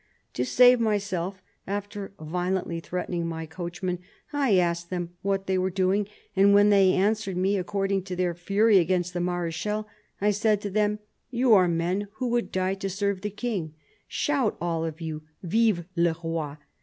To save myself, after violently threatening my coachman, I asked them what they were doing, and when they had answered me according to their fury against the Marechal, I said to them, ' You are men who would die to serve the King : shout, all of you, Vive le Roi